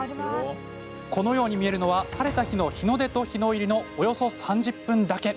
このように見えるのは晴れた日の、日の出と日の入りのおよそ３０分だけ。